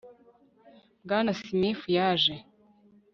bwana smith yaje